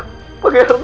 maafin pangeran ma